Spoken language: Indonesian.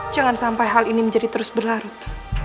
jangan sampai hal ini menjadi terus berlarut